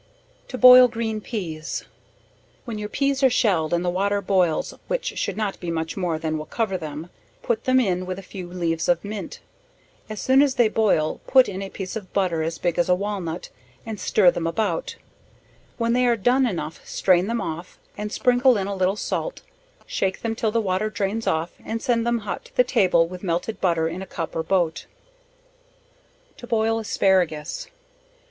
To boil green Peas. When your peas are shelled and the water boils which should not be much more than will cover them, put them in with a few leaves of mint, as soon as they boil put in a piece of butter as big as a walnut, and stir them about, when they are done enough, strain them off, and sprinkle in a little salt, shake them till the water drains off, send them hot to the table with melted butter in a cup or boat. To boil Asparagus.